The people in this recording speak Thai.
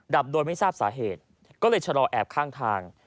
ดับโดยไม่ทราบสาเหตุก็เลยชะลอแอบข้างทาง